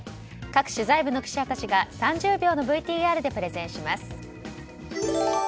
各取材部の記者たちが３０秒のＶＴＲでプレゼンします。